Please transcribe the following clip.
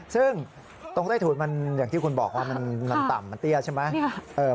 ซึ่งตรงใต้ถุนมันอย่างที่คุณบอกว่ามันต่ำมันเตี้ยใช่ไหม